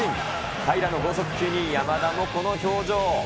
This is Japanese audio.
平良の剛速球に山田もこの表情。